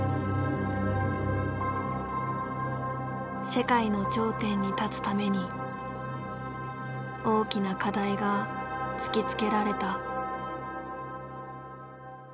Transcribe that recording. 世界の頂点に立つために大きな課題が突きつけられた。